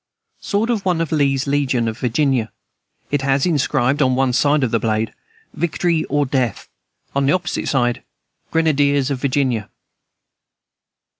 Sword of one of Lee's legion, of Virginia. It has inscribed, on one side of the blade, "Victory or Death!" on the opposite side, "Grenadiers of Virginia."